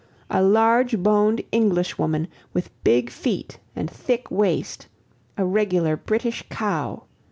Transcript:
A large boned Englishwoman, with big feet and thick waist a regular British cow!